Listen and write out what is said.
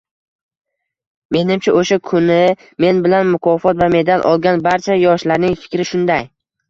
Menimcha, oʻsha kuni men bilan mukofot va medal olgan barcha yoshlarning fikri shunday.